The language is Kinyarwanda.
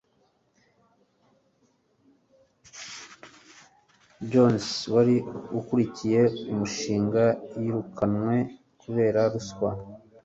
Jason wari ukuriye umushinga, yirukanwe kubera ruswa.